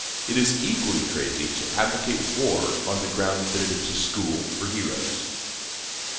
It is equally crazy to advocate war on the ground that it is a school for heroes.